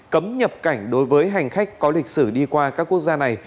cấm nhập cảnh đối với hành khách có lịch sử đi qua các quốc gia này